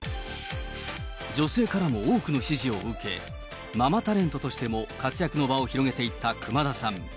女性からも多くの支持を受け、ママタレントとしても活躍の場を広げていった熊田さん。